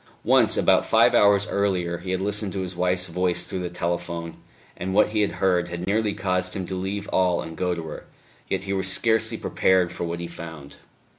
Once, about five hours earlier, he had listened to his wife's voice through the telephone, and what he had heard had nearly caused him to leave all and go to her. Yet he was scarcely prepared for what he found.